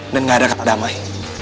dan nggak ada kedamai